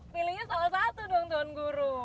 milihnya salah satu dong tuan guru